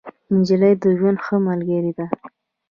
نجلۍ د ژوند ښه ملګرې ده.